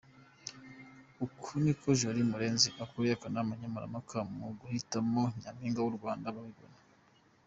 Uku niko Jolie Murenzi ukuriye akanama nkemurampaka mu guhitamo Nyamping w’u Rwanda abibona.